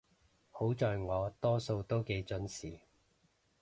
好在我多數都幾準時